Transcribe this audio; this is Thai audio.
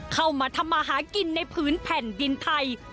เข้ามาทำมาหากินในพื้นแผ่นดินไทย